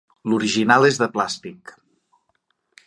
L'original és de plàstic.